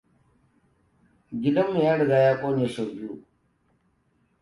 Gidanmu ya riga ya ƙone sau biyu.